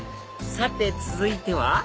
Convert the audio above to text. さて続いては？